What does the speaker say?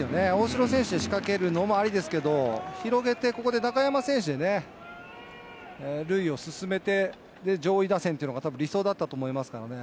大城選手で仕掛けるのもありですけれど、広げてここで中山選手で塁を進めて上位打線っていうのが理想だったと思いますよね。